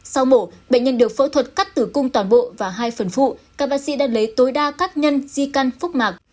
sau mổ bệnh nhân được phẫu thuật cắt tử cung toàn bộ và hai phần phụ các bác sĩ đã lấy tối đa cát nhân di căn phúc mạc